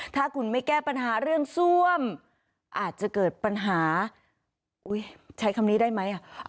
ถ้าคุณไม่แก้ปัญหาเรื่องซ่วมอาจจะเกิดปัญหาใช้คำนี้ได้ไหม